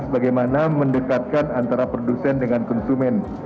bagaimana mendekatkan antara produsen dengan konsumen